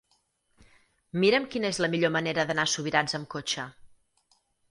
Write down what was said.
Mira'm quina és la millor manera d'anar a Subirats amb cotxe.